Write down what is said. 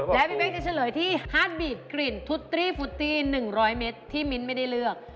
และพี่เป๊กจะเฉลยที่ฮาร์ดบีดกลิ่นทุตรีฟุตตี้๑๐๐เมตรที่มิ้นไม่ได้เลือก